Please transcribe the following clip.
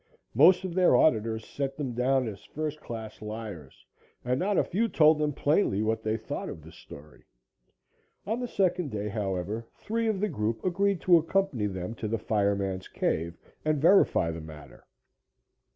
Most of their auditors set them down as first class liars, and not a few told them plainly what they thought of the story. On the second day, however, three of the group agreed to accompany them to the fire man's cave and verify the matter.